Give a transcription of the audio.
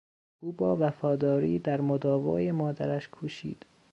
او با وفاداری در مداوای مادرش کوشید.